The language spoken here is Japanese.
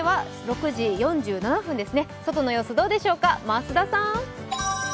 外の様子どうでしょうか、増田さん